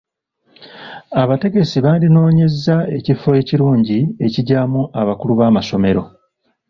Abategesi bandinoonyezza ekifo ekirungi ekigyamu abakulu b'amasomero.